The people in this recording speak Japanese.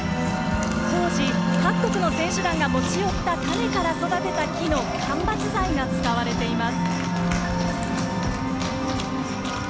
当時、各国の選手団が持ち寄った種から育てた木の間伐材が使われています。